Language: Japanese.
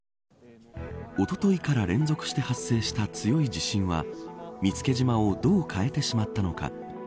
おとといから連続して発生した強い地震は見附島をどう変えてしまったのか。